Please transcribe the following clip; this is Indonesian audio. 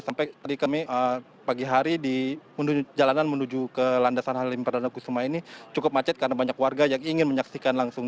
sampai tadi kami pagi hari di jalanan menuju ke landasan halim perdana kusuma ini cukup macet karena banyak warga yang ingin menyaksikan langsung